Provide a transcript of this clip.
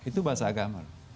itu bahasa agama